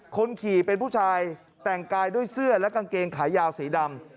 คนขี่เป็นผู้ชายแต่งกายด้วยเสื้อและกางเกงขายาวสีดำ